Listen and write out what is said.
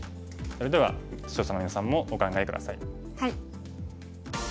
それでは視聴者のみなさんもお考え下さい。